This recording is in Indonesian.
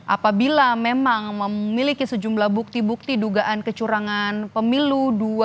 apabila memang memiliki sejumlah bukti bukti dugaan kecurangan pemilu dua ribu dua puluh